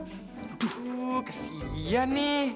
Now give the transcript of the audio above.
aduh kesian nih